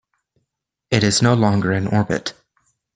It is no longer in orbit.